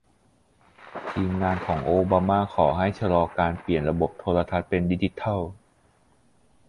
ทีมงานของโอบามาขอให้ชะลอการเปลี่ยนระบบโทรทัศน์เป็นดิจิทัล